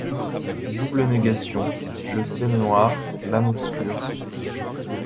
Double négation :. le ciel noir, l’âme obscure.